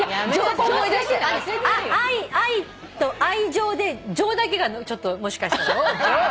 愛と愛情で情だけがもしかしたら。